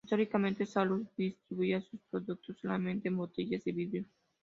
Históricamente, Salus distribuía sus productos solamente en botellas de vidrio.